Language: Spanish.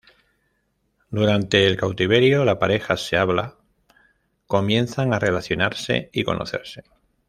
Durante el cautiverio, la pareja se habla; comienzan a relacionarse y conocerse.